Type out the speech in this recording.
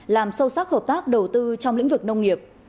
làm sâu sắc hợp tác đầu tư trong lĩnh vực nông nghiệp